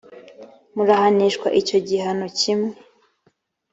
murahanishwa icyo gihano kimwe